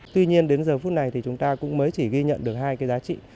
tuy nhiên đến giờ phút này thì chúng ta cũng mới chỉ ghi nhận được hai cái giá trị